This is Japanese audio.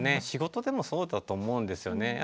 仕事でもそうだと思うんですよね。